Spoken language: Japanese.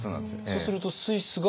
そうするとスイスが。